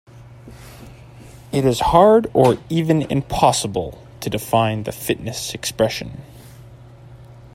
It is hard or even impossible to define the fitness expression.